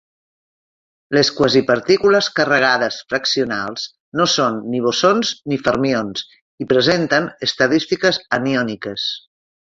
Les quasipartícules carregades fraccionals no són ni bosons ni fermions, i presenten estadístiques aniòniques.